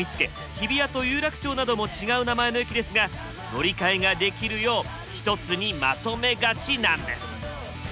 日比谷と有楽町なども違う名前の駅ですが乗り換えができるよう一つにまとめがちなんです。